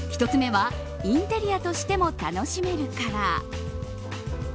１つ目はインテリアとしても楽しめるから。